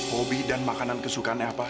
hobi dan makanan kesukaannya apa